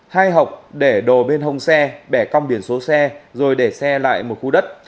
hai hộp để đồ bên hông xe bẻ cong biển số xe rồi để xe lại một khu đất